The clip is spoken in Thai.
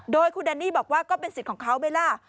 โดยคุณแดนนี่บอกว่าก็เป็นสิทธิ์ของเขาไหมล่ะ